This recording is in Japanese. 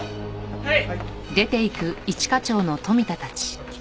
はい！